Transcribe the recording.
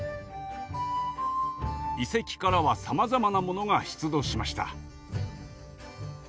遺跡からはさまざまなものが出土しました。